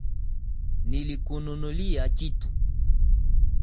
Nilikununulia kitu.